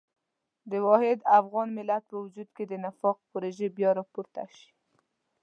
د واحد افغان ملت په وجود کې د نفاق پروژې بیا راپورته شي.